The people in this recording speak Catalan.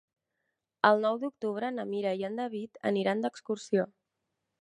El nou d'octubre na Mira i en David aniran d'excursió.